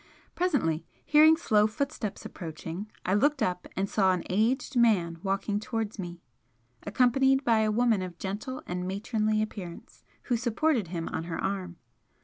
Presently, hearing slow footsteps approaching, I looked up and saw an aged man walking towards me, accompanied by a woman of gentle and matronly appearance who supported him on her arm.